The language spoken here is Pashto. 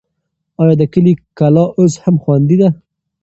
آیا د کلي کلا اوس هم خوندي ده؟